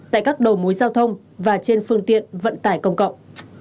tại các đầu mối giao thông và trên phương tiện vận tải công cộng